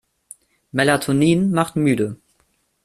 Melatonin macht müde.